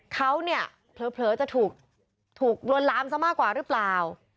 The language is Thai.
เขาเนี่ยเผลอจะถูกลวนลามซะมากกว่าหรือเปล่า